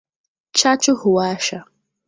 Chachu huwasha.